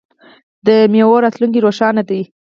د میوو راتلونکی روښانه دی.